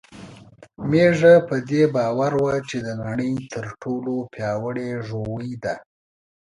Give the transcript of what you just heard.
میښه په دې باور وه چې د نړۍ تر ټولو پياوړې ژوی ده.